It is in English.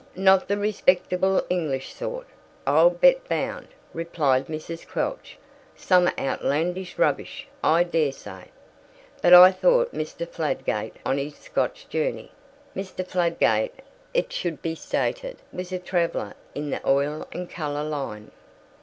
"Not the respectable English sort, I'll bet bound," replied Mrs. Quelch; "some outlandish rubbish, I dare say. But I thought Mr. Fladgate on his Scotch journey." (Mr. Fladgate, it should be stated, was a traveller in the oil and colour line.)